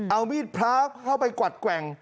เอามีดพระเข้าไปกวัดแกว่ง